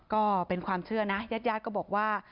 ก็เป็นความเชื่อนะญาติญาติก็บอกว่า